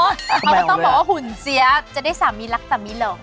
เขาก็ต้องบอกว่าหุ่นเสียจะได้สามีรักสามีเหรอ